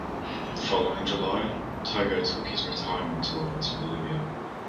The following July, Togo took his retirement tour to Bolivia.